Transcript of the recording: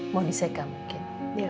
mau di seka mungkin